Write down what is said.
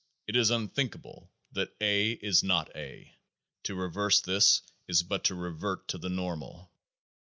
It is thinkable that A is not A ; to reverse this is but to revert to the normal.